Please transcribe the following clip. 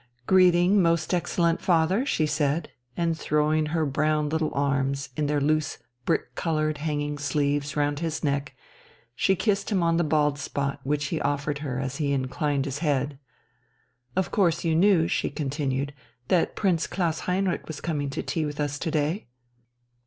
"Greeting, most excellent father," she said, and throwing her brown little arms, in their loose brick coloured hanging sleeves, round his neck, she kissed him on the bald spot which he offered her as he inclined his head. "Of course you knew," she continued, "that Prince Klaus Heinrich was coming to tea with us to day?"